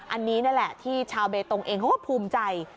อันนี้นั่นแหละที่ชาวเบตงเองเขาก็ภูมิใจ